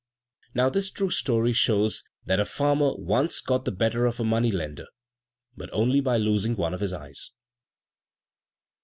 Now this true story shows that a farmer once got the better of a money lender but only by losing one of his eyes.